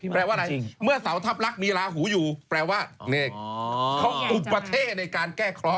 แปลว่าอะไรเมื่อเสาทัพลักษณ์มีลาหูอยู่แปลว่าเขาอุปเท่ในการแก้เคราะห